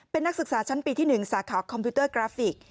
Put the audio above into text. เป็นนักศึกษาชั้นปีที่๑สาขาคอมพิวเตอร์กราฟิก